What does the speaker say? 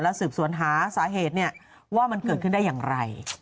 สืบสวนหาสาเหตุว่ามันเกิดขึ้นได้อย่างไร